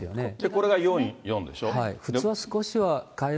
これが４、４でしょ。